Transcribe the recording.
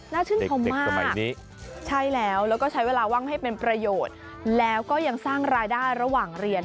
ชื่นชมมากสมัยนี้ใช่แล้วแล้วก็ใช้เวลาว่างให้เป็นประโยชน์แล้วก็ยังสร้างรายได้ระหว่างเรียน